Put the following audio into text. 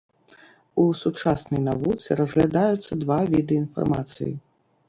У сучаснай навуцы разглядаюцца два віды інфармацыі.